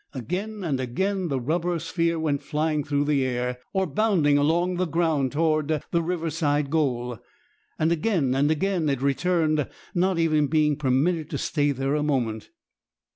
Again and again the rubber sphere went flying through the air or bounding along the ground towards the Riverside goal, and again and again it returned, not even being permitted to stay there a moment.